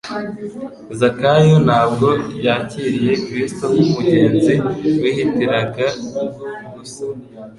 Zakayo ntabwo yakiriye Kristo nk'umugenzi wihitira gusa,